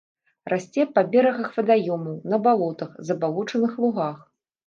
Расце па берагах вадаёмаў, на балотах, забалочаных лугах.